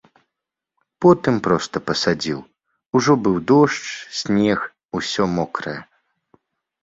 Потым проста пасадзіў, ужо быў дождж, снег, усё мокрае.